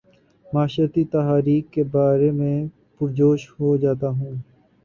معاشرتی تحاریک کے بارے میں پر جوش ہو جاتا ہوں